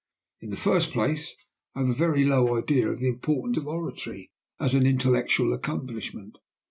In the first place, I have a very low idea of the importance of oratory as an intellectual accomplishment.